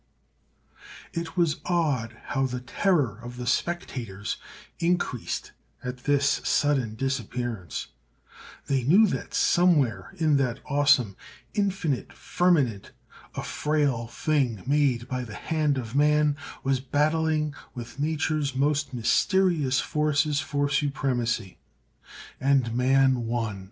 It was odd how the terror of the spectators increased at this sudden disappearance; they knew that somewhere in that awesome, infinite firmament a frail thing made by the hand of man was battling with nature's most mysterious forces for supremacy. And man won.